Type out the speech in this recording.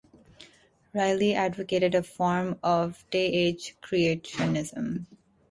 Riley advocated a form of "Day-Age Creationism".